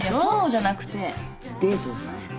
そうじゃなくてデートをさ。